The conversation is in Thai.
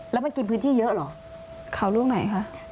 แล้วมันกินพื้นที่เยอะเหรอเขาล่วงไหนคะ